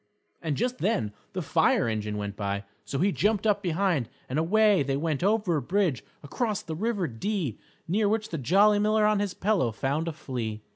And just then the fire engine went by, so he jumped up behind and away they went over a bridge across the River Dee near which the Jolly Miller on his pillow found a flea.